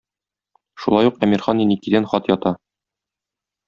Шулай ук Әмирхан Еникидән хат ята.